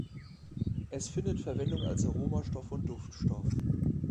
Es findet Verwendung als Aromastoff und Duftstoff.